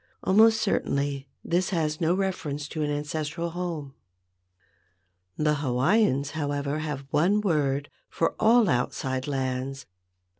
Almost certainly this has no reference to an ancestral home. The Hawaiians, however, had one word for all outside lands.